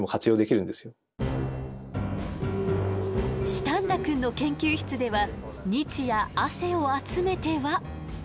四反田くんの研究室では日夜汗を集めては。